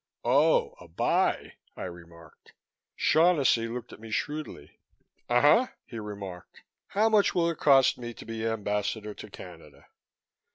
"Oh, a buy?" I remarked. Shaughnessy looked at me shrewdly. "Uh huh!" he replied. "How much will it cost me to be Ambassador to Canada?"